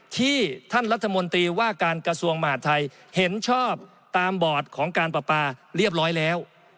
ที่ท่านรัฐมนตรีว่าการกระทรวงมหาดไทยเห็นชอบตามบอร์ดของการปราปาเรียบร้อยแล้ว